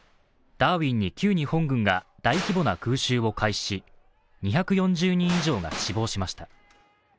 ダーウィンに旧日本軍が大規模な空襲を開始し、２４０人以上が死亡しました。